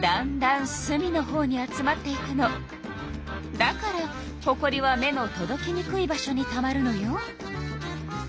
だからほこりは目のとどきにくい場所にたまるのよ。